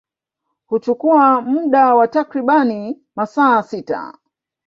Huchukua muda wa takribani masaa sita